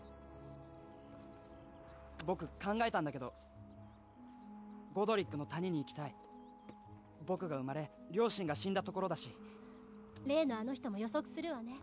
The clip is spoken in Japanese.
僕考えたんだけどゴドリックの谷に行きたい僕が生まれ両親が死んだところだし例のあの人も予測するわね